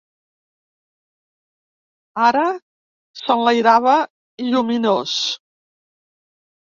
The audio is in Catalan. ...ara s'enlairava lluminós